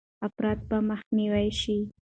افراط به مخنیوی شي.